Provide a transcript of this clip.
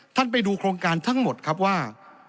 ไปดูโครงการทั้งหมดครับว่า